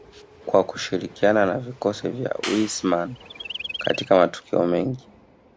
kwa kushirikiana na vikosi vya Wissmann katika matukio mengi